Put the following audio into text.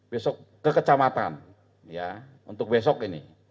besok ke kecamatan ya untuk besok ini